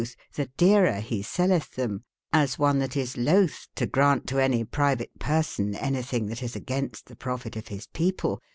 l?^« sotbe, tbe deerer be selletb tbem : as one tbat is lotbe to graunte to any private persone, anye tbinge tbat is againste tbe proflite of bis people.